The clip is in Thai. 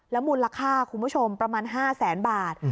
มูลค่าคุณผู้ชมประมาณ๕แสนบาท